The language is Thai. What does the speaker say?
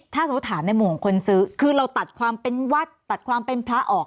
ถ้าสมมุติถามในมุมของคนซื้อคือเราตัดความเป็นวัดตัดความเป็นพระออก